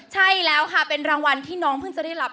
ใช่แล้วค่ะเป็นรางวัลที่น้องเพิ่งจะได้รับ